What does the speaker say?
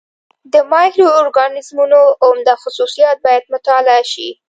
د مایکرو اورګانیزمونو عمده خصوصیات باید مطالعه شي.